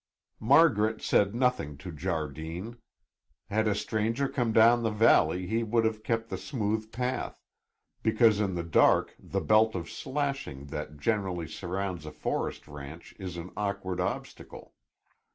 Margaret said nothing to Jardine. Had a stranger come down the valley, he would have kept the smooth path, because in the dark the belt of slashing that generally surrounds a forest ranch is an awkward obstacle.